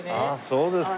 そうですか。